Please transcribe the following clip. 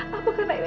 hal tersapar nyawa